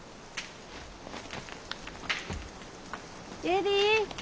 恵里！